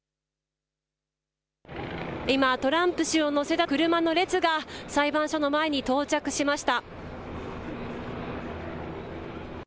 今、トランプ氏を乗せた車の列が、裁判所の前に到着しました。